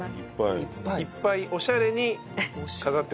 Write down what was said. いっぱいオシャレに飾ってください。